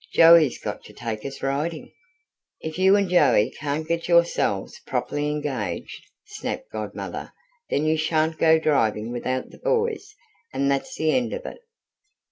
"Joey's got to take us riding." "If you and Joey can't get yourselves properly engaged," snapped Godmother, "then you shan't go driving without the boys, and that's the end of it."